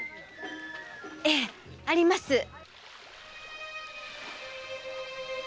ええあります！